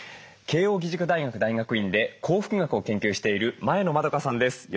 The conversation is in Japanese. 慶應義塾大学大学院で幸福学を研究している前野マドカさんです。